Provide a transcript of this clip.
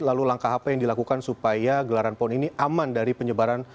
lalu langkah apa yang dilakukan supaya gelaran pon ini aman dari penyebaran